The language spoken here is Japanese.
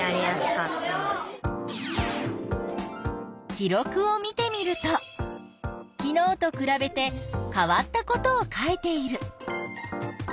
記録を見てみると昨日とくらべて変わったことを書いている。